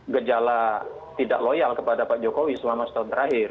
gejala tidak loyal kepada pak jokowi selama setahun terakhir